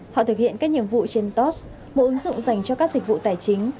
họ thực hiện các nhiệm vụ trên tost một ứng dụng dành cho các dịch vụ tài chính